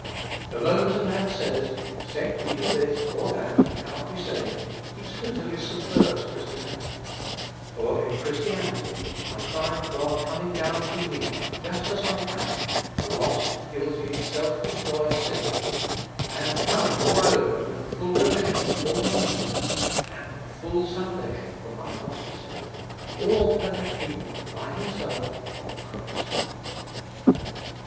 The moment a man says, "Except ye be this or that, ye cannot be saved," he totally subverts Christianity; for in Christianity I find God coming down to me just as I am, a lost, guilty, self destroyed sinner; and coming moreover with a full remission of all my sins, and a full salvation from my lost estate, all perfectly wrought by himself on the cross.